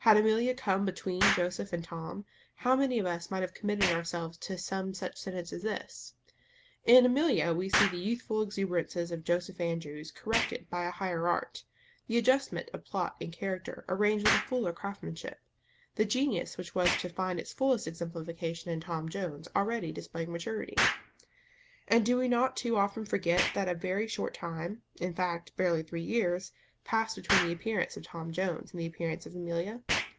Had Amelia come between Joseph and Tom, how many of us might have committed ourselves to some such sentence as this: "In Amelia we see the youthful exuberances of Joseph Andrews corrected by a higher art; the adjustment of plot and character arranged with a fuller craftsmanship; the genius which was to find its fullest exemplification in Tom Jones already displaying maturity"? And do we not too often forget that a very short time in fact, barely three years passed between the appearance of Tom Jones and the appearance of _Amelia?